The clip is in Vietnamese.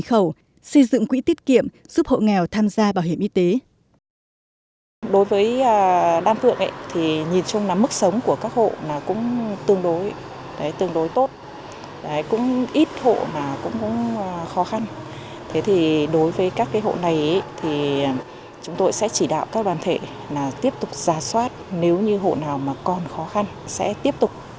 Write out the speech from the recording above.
khẩu xây dựng quỹ tiết kiệm giúp hộ nghèo tham gia bảo hiểm y tế